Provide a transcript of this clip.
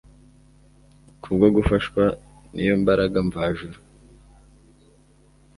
Kubwo gufashwa niyo mbaraga mvajuru